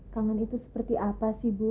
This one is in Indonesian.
kangen itu seperti apa sih bu